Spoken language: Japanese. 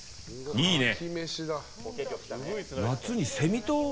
いいね！